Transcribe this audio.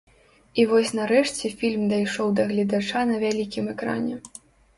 І вось нарэшце фільм дайшоў да гледача на вялікім экране.